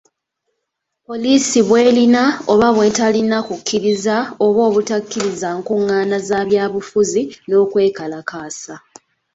Poliisi bw’erina oba bw’eterina ku kukkiriza oba obutakkiriza nkung’aana za byabufuzi n’okwekalakaasa.